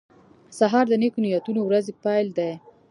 سهار د نیکو نیتونو ورځې پیل دی.